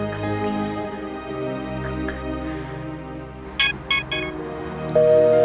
kalau bisa aku ikut